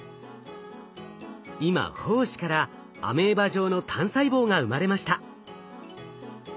今胞子からアメーバ状の単細胞が生まれました。